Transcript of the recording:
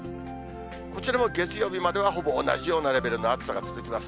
こちらも月曜日まではほぼ同じようなレベルの暑さが続きます。